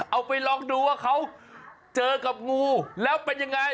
เอาไปลองดูว่าเขาเจอกับงูแล้วเป็นยังไง